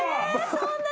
そんなに？